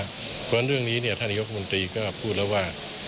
เพราะฉะนั้นเรื่องนี้ท่านนายกมนตรีก็พูดแล้วว่า